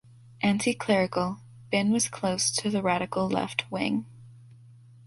Anticlerical, Bin was close to the radical left wing.